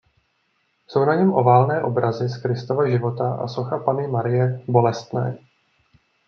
Jsou na něm oválné obrazy z Kristova života a socha Panny Marie Bolestné.